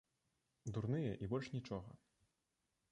Дурныя, і больш нічога.